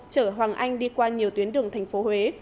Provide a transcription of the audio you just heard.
chở hoàng anh đi qua nhiều tuyến đường tp huế